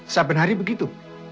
sabun hari begitu